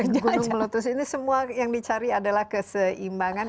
gunung meletus ini semua yang dicari adalah keseimbangan